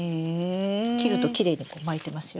切るときれいにこう巻いてますよ。